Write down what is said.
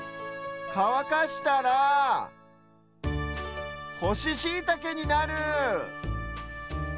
かわかしたらほしシイタケになる！